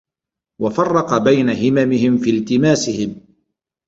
وَفَرَّقَ بَيْنَ هِمَمِهِمْ فِي الْتِمَاسِهِمْ